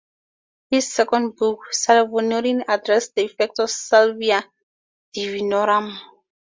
His second book, "Salvinorin," addressed the effects of "Salvia divinorum".